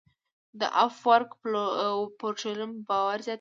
د افورک پورټفولیو باور زیاتوي.